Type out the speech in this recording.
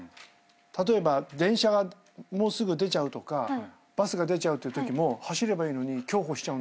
例えば電車がもうすぐ出ちゃうとかバスが出ちゃうっていうときも走ればいいのに競歩しちゃう。